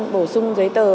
bổ sung giấy tờ